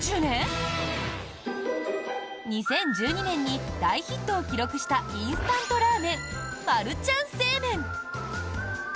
２０１２年に大ヒットを記録したインスタントラーメンマルちゃん正麺。